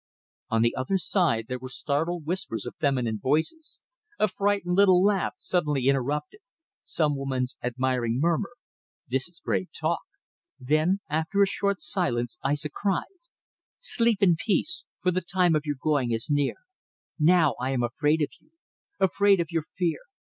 On the other side there were startled whispers of feminine voices; a frightened little laugh suddenly interrupted; some woman's admiring murmur "This is brave talk!" Then after a short silence Aissa cried "Sleep in peace for the time of your going is near. Now I am afraid of you. Afraid of your fear.